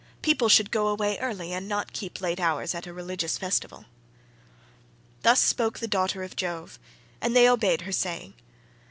People should go away early and not keep late hours at a religious festival." Thus spoke the daughter of Jove, and they obeyed her saying.